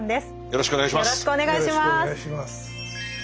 よろしくお願いします。